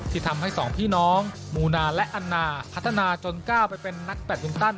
ที่ทำให้สองพี่น้องมูนาและอันนาพัฒนาจนก้าวไปเป็นนักแบตมินตัน